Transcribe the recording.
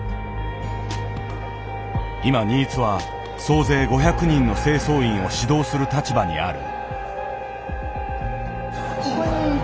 今新津は総勢５００人の清掃員を指導する立場にある。